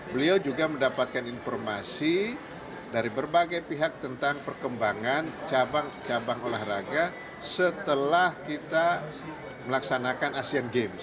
beliau juga mendapatkan informasi dari berbagai pihak tentang perkembangan cabang cabang olahraga setelah kita melaksanakan asean games